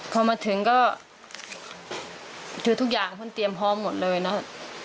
พอมาถึงก็คือทุกอย่างเพิ่งเตรียมพร้อมหมดเลยเนอะ